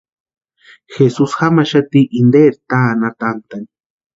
Jesus jamaxati interi taani atantʼani.